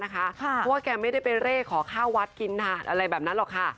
เพราะว่าแกไม่ได้ไปเร่ขอข้าววัดกินนานอะไรแบบนั้นหรอกค่ะ